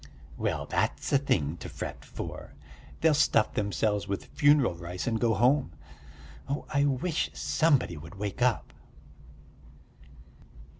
"Well, that's a thing to fret for! They'll stuff themselves with funeral rice and go home.... Oh, I wish somebody would wake up!"